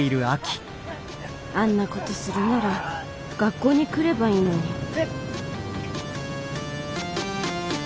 あんなことするなら学校に来ればいいのに。